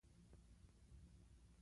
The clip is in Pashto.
نجلۍ د اختر موسکا ده.